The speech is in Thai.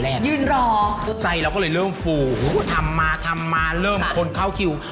เริ่มนะใจเราก็เลยเริ่มฟูทำมาเริ่มคนเข้าคิว